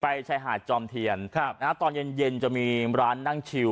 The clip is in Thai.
ไปชายหาดจอมเทียนตอนเย็นจะมีร้านนั่งชิล